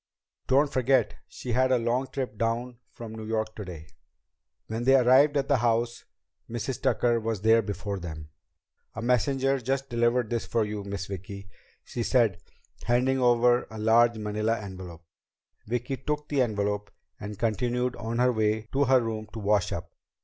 "Don't forget she had a long trip down from New York today." When they arrived at the house, Mrs. Tucker was there before them. "A messenger just delivered this for you, Miss Vicki," she said, handing over a large manila envelope. Vicki took the envelope and continued on her way to her room to wash up.